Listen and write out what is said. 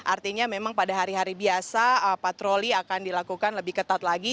artinya memang pada hari hari biasa patroli akan dilakukan lebih ketat lagi